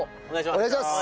お願いします。